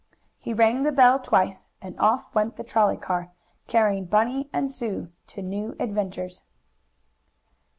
He rang the bell twice, and off went the trolley car, carrying Bunny and Sue to new adventures.